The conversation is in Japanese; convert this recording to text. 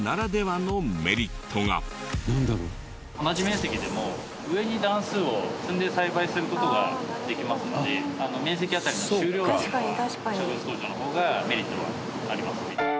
同じ面積でも上に段数を積んで栽培する事ができますので面積あたりの収量は植物工場の方がメリットはありますね。